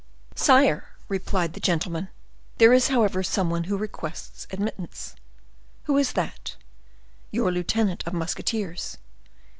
"Sire," replied the gentleman, "there is, however, some one who requests admittance." "Who is that?" "Your lieutenant of musketeers."